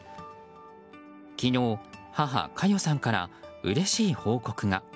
昨日、母・加代さんからうれしい報告が。